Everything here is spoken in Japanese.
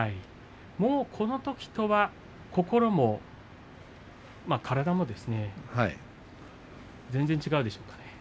もうこのときとは心も体も全然違うでしょうね。